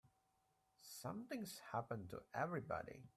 Something's happened to everybody.